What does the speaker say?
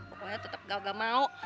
pokoknya tetep gak mau